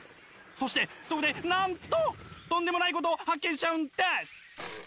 そしてそこでなんととんでもないことを発見しちゃうんです。